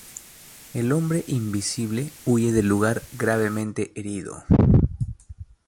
El hombre invisible huye del lugar gravemente herido.